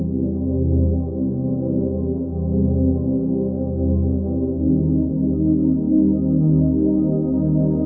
สวัสดีทุกคน